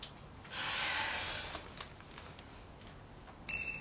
はあ！